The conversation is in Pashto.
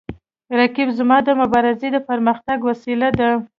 رقیب زما د مبارزې د پرمختګ وسیله ده